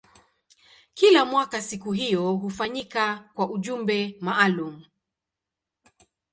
Kila mwaka siku hiyo hufanyika kwa ujumbe maalumu.